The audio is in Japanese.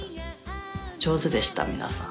上手でした皆さん。